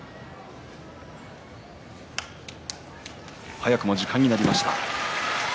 早くも時間になりました。